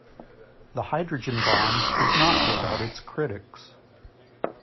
The hydrogen bond is not without its critics.